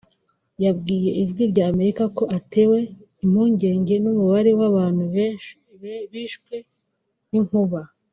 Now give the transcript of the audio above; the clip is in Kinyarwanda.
yabwiye Ijwi rya Amerika ko atewe impungunge n’umubare w’abantu bishwe n’inkuba